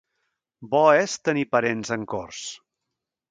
Bo és tenir parents en Corts.